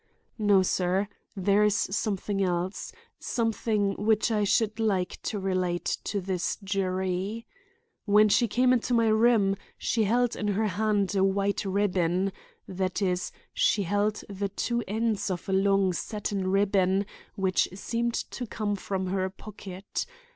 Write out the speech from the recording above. "No, sir, there is something else, something which I should like to relate to this jury. When she came into my room, she held in her hand a white ribbon; that is, she held the two ends of a long satin ribbon which seemed to come from her pocket.